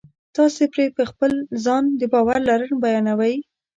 تاسې پرې په خپل ځان د باور لرل بیانوئ